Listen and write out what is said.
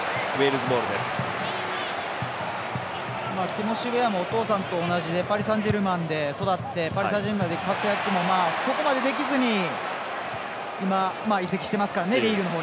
ティモシー・ウェアもお父さんと同じでパリサンジェルマンで育ってパリサンジェルマンで活躍もそこまでできずに今、移籍してますから。